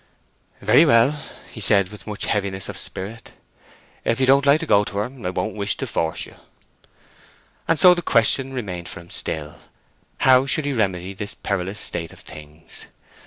"Very well," he said, with much heaviness of spirit. "If you don't like to go to her I don't wish to force you." And so the question remained for him still: how should he remedy this perilous state of things?